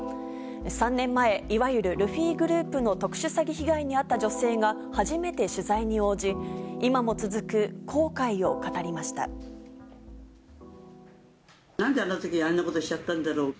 ３年前、いわゆるルフィグループの特殊詐欺被害に遭った女性が、初めて取材に応じ、なんであのとき、あんなことしちゃったんだろう。